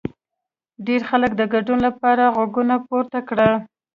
ډېر خلک د ګډون لپاره غږونه پورته کړي.